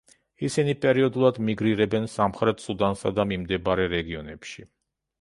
ისინი პერიოდულად მიგრირებენ სამხრეთ სუდანსა და მიმდებარე რეგიონებში.